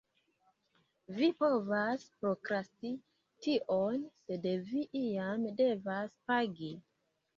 Vi povas prokrasti tion, sed vi iam devas pagi.